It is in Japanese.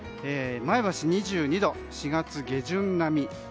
前橋は２２度、４月下旬並み。